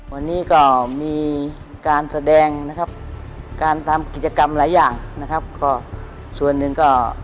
วันนี้ก็มีการแสดงนะครับการทำกิจกรรมหลายอย่างนะครับก็ส่วนหนึ่งก็